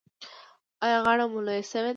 ایا غاړه مو لویه شوې ده؟